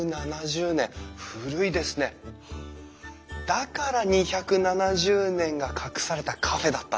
だから２７０年が隠されたカフェだったんだ。